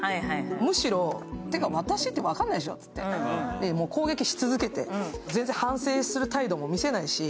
むしろ、てか私って分かんないでしょって攻撃し続けて全然、反省する態度も見せないし